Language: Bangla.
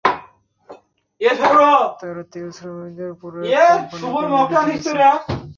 তারা তেলশ্রমিকদের পুরো এক কোম্পানিকে মেরে ফেলেছে।